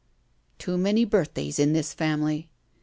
"Too many birthdays in this family."